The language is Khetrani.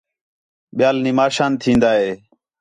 ٻِیال نماشاں تھین٘دا ہے